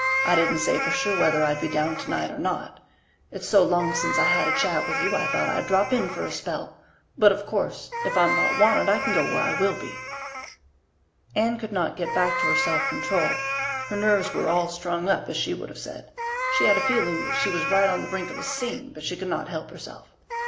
"I didn't say for sure whether I'd be down tonight or not. It's so long since I had a chat with you I thought I'd drop in for a spell. But of course if I'm not wanted I can go where I will be." Anne could not get back her self control. Her nerves were "all strung up," as she would have said. She had a feeling that she was right on the brink of a "scene," but she could not help herself.